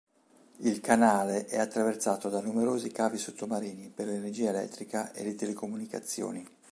Il canale è attraversato da numerosi cavi sottomarini per l'energia elettrica e le telecomunicazioni.